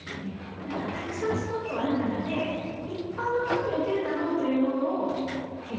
だからたくさんスポットある中で一般の人にウケるだろうというものを掲載しているけれども。